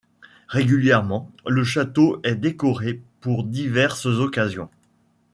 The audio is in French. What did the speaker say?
Régulièrement, le château est décoré pour diverses occasions.